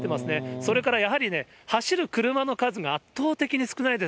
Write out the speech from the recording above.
それからやはりね、走る車の数が圧倒的に少ないです。